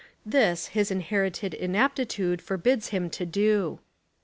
This his inherited inaptitude for bids him to do.